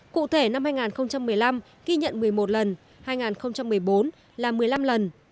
cụ thể năm hai nghìn một mươi năm ghi nhận một mươi một lần hai nghìn một mươi bốn là một mươi năm lần